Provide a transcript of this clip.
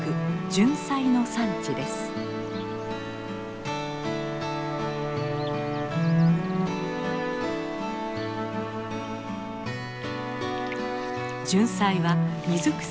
ジュンサイは水草の一種。